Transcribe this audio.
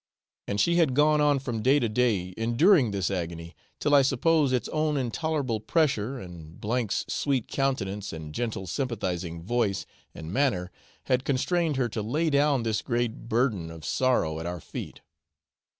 And she had gone on from day to day enduring this agony, till I suppose its own intolerable pressure and M 's sweet countenance and gentle sympathising voice and manner had constrained her to lay down this great burden of sorrow at our feet.